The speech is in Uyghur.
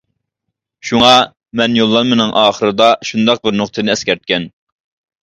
شۇڭا مەن يوللانمىنىڭ ئاخىرىدا شۇنداق بىر نۇقتىنى ئەسكەرتكەن.